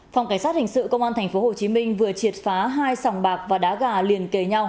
phòng cảnh sát hình sự công an tp hcm vừa triệt phá hai sòng bạc và đá gà liền kề nhau